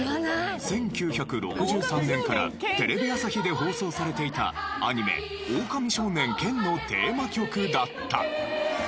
１９６３年からテレビ朝日で放送されていたアニメ『狼少年ケン』のテーマ曲だった。